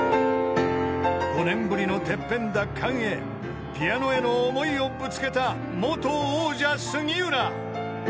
［５年ぶりのＴＥＰＰＥＮ奪還へピアノへの思いをぶつけた］